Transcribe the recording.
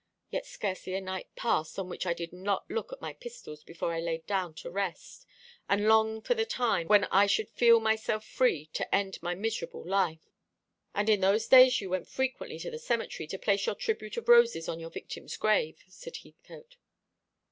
Yet scarcely a night passed on which I did not look at my pistols before I lay down to rest, and long for the time when I should feel myself free to end my miserable life." "And in those days you went frequently to the cemetery, to place your tribute of roses on your victim's grave," said Heathcote.